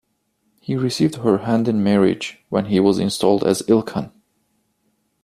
He received her hand in marriage when he was installed as Ilkhan.